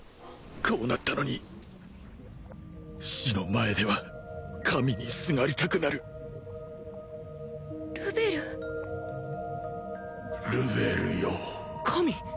こうなったのに死の前では神にすがりたくなるルベルルベルよ神！